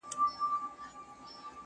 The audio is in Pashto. نه يوه له بله ځان سو خلاصولاى،